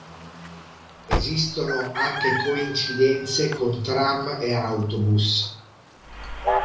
Esistono anche coincidenze con tram e autobus.